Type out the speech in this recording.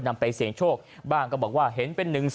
นำไปเสี่ยงโชคบ้างก็บอกว่าเห็นเป็น๑๒